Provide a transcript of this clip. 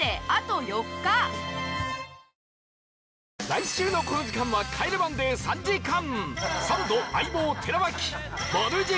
来週のこの時間は『帰れマンデー』３時間